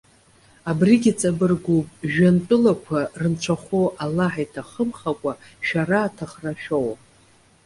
Абригьы ҵабыргуп, жәҩантәылақәа рынцәахәы Аллаҳ иҭахымхакәа, шәара аҭахра шәоуам!